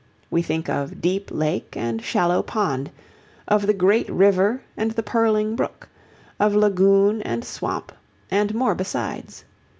We think of deep lake and shallow pond, of the great river and the purling brook, of lagoon and swamp, and more besides.